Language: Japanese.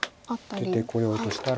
出てこようとしたら。